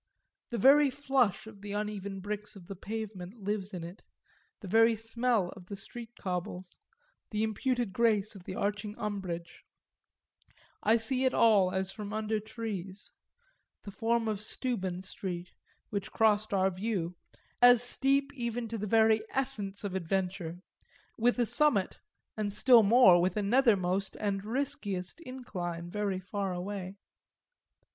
The very flush of the uneven bricks of the pavement lives in it, the very smell of the street cobbles, the imputed grace of the arching umbrage I see it all as from under trees; the form of Steuben Street, which crossed our view, as steep even to the very essence of adventure, with a summit, and still more with a nethermost and riskiest incline, very far away.